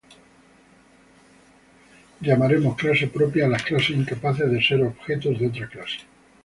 Llamaremos "clase propia" a las clases incapaces de ser objetos de otra clase.